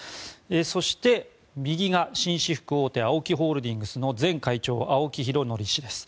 そして、右が紳士服大手ＡＯＫＩホールディングスの前会長青木拡憲氏です。